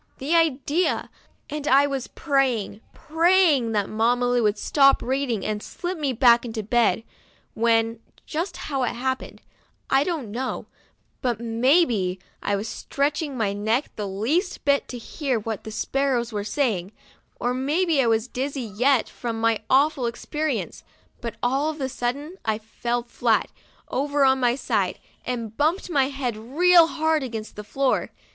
The idea ! and I was praying, praying that Mamma Lu would stop reading and slip me back into bed, when, just how it happened, I don't know, but maybe I was stretching my neck the least little bit to hear what the sparrows were saying, or maybe I was dizzy yet from my awful experience, but all of a sudden I fell flat, over on my side, and bumped my head real hard against the floor.